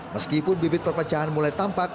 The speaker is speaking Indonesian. meskipun bibit perpecahan mulai tampak